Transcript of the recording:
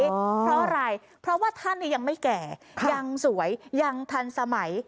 เพราะอะไรเพราะว่าท่านยังไม่แก่ยังสวยยังทันสมัย